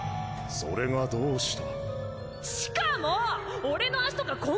それがどうした？